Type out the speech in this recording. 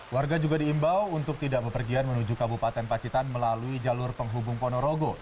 warga juga diimbau untuk tidak berpergian menuju kabupaten pacitan melalui jalur penghubung ponorogo